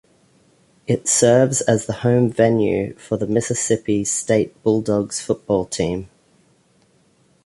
It serves as the home venue for the Mississippi State Bulldogs football team.